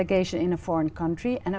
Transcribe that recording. brain những người rất năng lượng ở đó